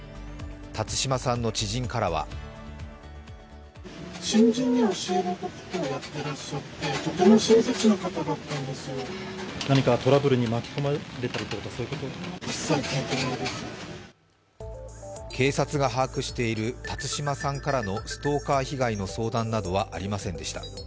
辰島さんの知人からは警察が把握している辰島さんからのストーカー被害の相談などはありませんでした。